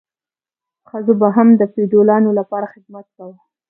ښځو به هم د فیوډالانو لپاره خدمت کاوه.